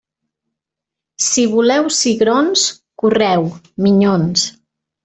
Si voleu cigrons, correu, minyons.